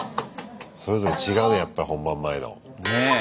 それぞれ違うねやっぱ本番前の感じが。